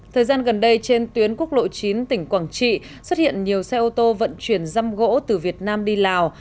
thời gian gần đây trên tuyến quốc lộ chín tỉnh quảng trị xuất hiện nhiều xe ô tô vận chuyển giam gỗ từ việt nam đi lào